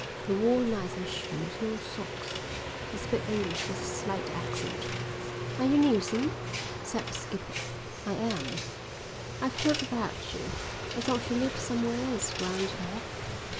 He wore neither shoes nor socks. He spoke English with a slight accent. "Are you Neilson?" asked the skipper. "I am." "I've heard about you. I thought you lived somewheres round here."